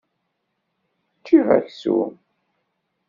Ččiɣ aksum.